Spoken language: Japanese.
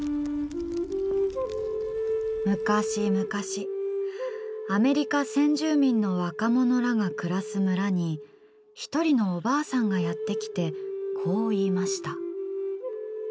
むかしむかし、アメリカ先住民の若者らが暮らす村に一人のおばあさんがやってきてこう言いました。